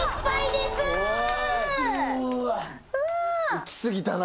行き過ぎたな。